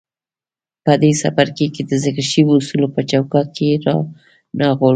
په دې څپرکي کې د ذکر شويو اصولو په چوکاټ کې يې رانغاړو.